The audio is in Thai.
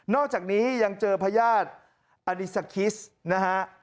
อกจากนี้ยังเจอพญาติอดิซาคิสนะฮะ